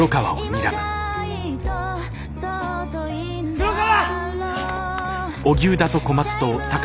黒川！